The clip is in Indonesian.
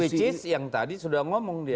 luwicis yang tadi sudah ngomong dia